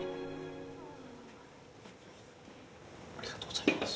ありがとうございます。